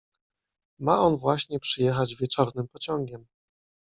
Ma on właśnie przyjechać wieczornym pociągiem.